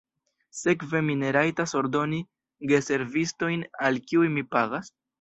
Sekve mi ne rajtas ordoni geservistojn, al kiuj mi pagas?